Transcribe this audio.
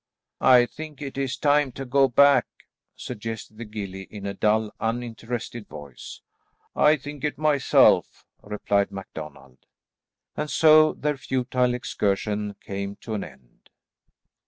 "I think it is time to go back," suggested the gillie in a dull, uninterested voice. "I think it is myself," replied MacDonald. And so the futile excursion came to an end.